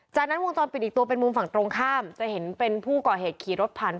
จากนั้นกดออกไปมุมฝั่งตรงข้ามจะเห็นเป็นผู้ก่อเหตุขี่รถพันธุ์